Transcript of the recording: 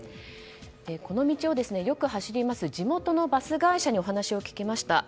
この道をよく走ります地元のバス会社にお話を聞きました。